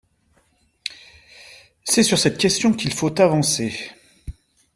C’est sur cette question qu’il faut avancer.